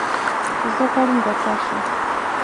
زه غواړم ډاکټر شم.